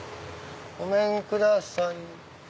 ごめんください。